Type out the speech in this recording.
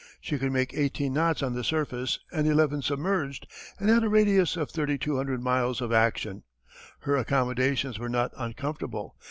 She could make 18 knots on the surface and 11 submerged and had a radius of 3200 miles of action. Her accommodations were not uncomfortable.